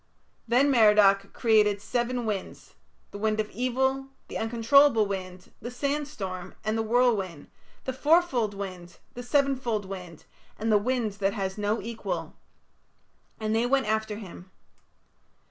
Then Merodach created seven winds the wind of evil, the uncontrollable wind, the sandstorm, and the whirlwind, the fourfold wind, the sevenfold wind, and the wind that has no equal and they went after him.